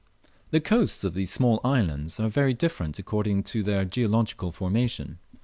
The coasts of these small islands are very different according to their geological formation.